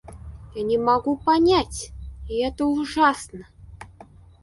Я не могу понять, и это ужасно.